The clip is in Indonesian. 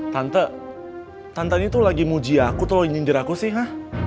tante tante ini tuh lagi muji aku tolong injin diri aku sih hah